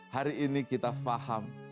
hari ini kita paham